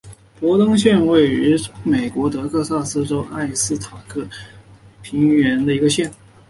博登县位美国德克萨斯州埃斯塔卡多平原边缘的一个县。